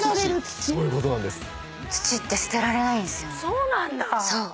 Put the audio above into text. そうなんだ！